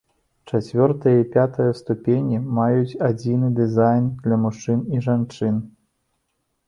Чацвёртая і пятая ступені маюць адзіны дызайн для мужчын і жанчын.